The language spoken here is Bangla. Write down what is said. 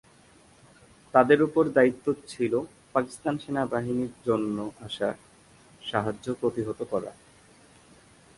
তাদের ওপর দায়িত্ব ছিল পাকিস্তান সেনাবাহিনীর জন্য আসা সাহায্য প্রতিহত করা।